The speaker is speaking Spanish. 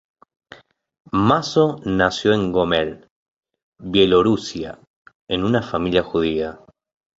Mazo nació en Gómel, Bielorrusia en una familia judía.